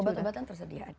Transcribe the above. obat obatan tersediaan ya